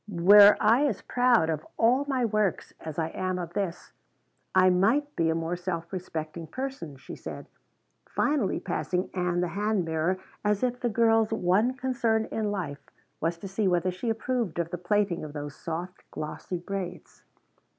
"Were I as proud of all my works as I am of this, I might be a more self respecting person," she said, finally passing Ann the hand mirror as if the girl's one concern in life was to see whether she approved of the plaiting of those soft glossy braids.